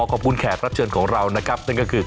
ขอบคุณแขกรับเชิญของเรานะครับนั่นก็คือ